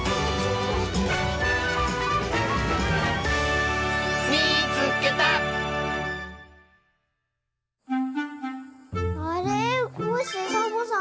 もうコッシーサボさん。